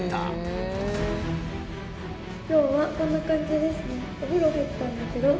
今日はこんな感じですね。